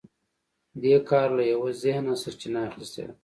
دې کار له یوه ذهنه سرچینه اخیستې وه